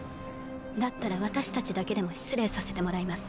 だったら私たちだけでも失礼させてもらいます。